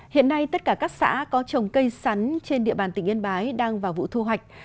hiện nay tất cả các xã có trồng cây sắn trên địa bàn tỉnh yên bái đang vào vụ thu hoạch